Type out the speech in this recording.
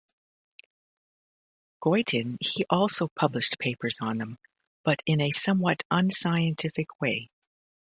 Goitein, he also published papers on them, but in a somewhat unscientific way.